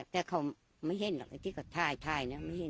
แต่เขาไม่เห็นหรอกไอ้ที่ก็ท่ายท่ายเนี่ยไม่เห็น